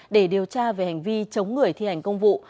để điều tra về hành vi chống người thi hành công vụ